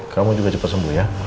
kamu juga cepat sembuh ya